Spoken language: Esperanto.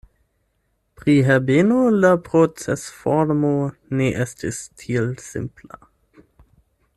Pri Herbeno, la procesformo ne estis tiel simpla.